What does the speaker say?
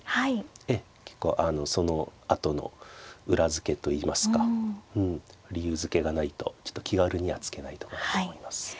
ええ結構そのあとの裏付けといいますか理由づけがないとちょっと気軽には突けないとこだと思います。